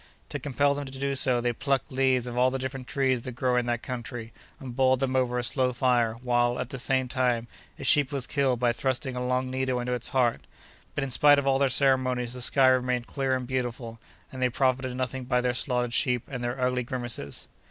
To compel them to do so, they plucked leaves of all the different trees that grow in that country, and boiled them over a slow fire, while, at the same time, a sheep was killed by thrusting a long needle into its heart. But, in spite of all their ceremonies, the sky remained clear and beautiful, and they profited nothing by their slaughtered sheep and their ugly grimaces.